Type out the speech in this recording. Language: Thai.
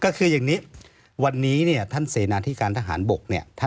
ก็คืออย่างนี้วันนี้เนี่ยท่านเสนาที่การทหารบกเนี่ย